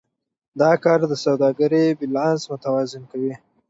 دا کار د سوداګرۍ بیلانس متوازن کوي.